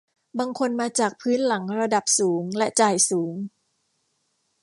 บางคนมาจากพื้นหลังระดับสูงและจ่ายสูง